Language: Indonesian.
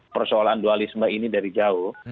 persoalan dualisme ini dari jauh